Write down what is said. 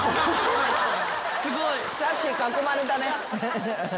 さっしー囲まれたね。